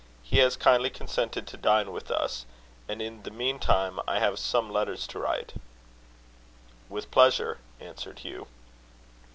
He has kindly consented to dine with us; and in the meantime I have some letters to write." "With pleasure," answered Hugh.